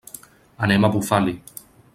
Anem a Bufali.